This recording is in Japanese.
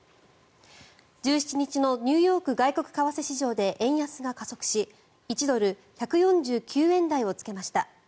１７日のニューヨーク外国為替市場で円安が加速し１ドル＝１４９円台をつけました。